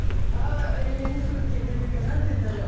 田園風景というか何と言うんだろう。